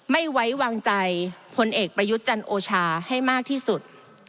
ไม่ไว้วางใจพลเอกประยุทธ์จันโอชาให้มากที่สุด